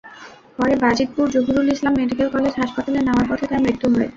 পরে Bajitpur Zahurul Islam medical college হাসপাতালে নেওয়ার পথে তার মৃত্যু হয়।